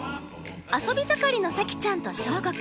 遊び盛りの早季ちゃんと匠吾君